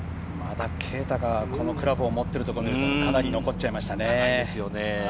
啓太がこのクラブを持っているところを見るとかなり残ってしまいましたね。